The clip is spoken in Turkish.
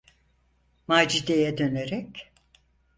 Macide’ye dönerek: